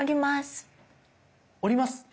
降ります？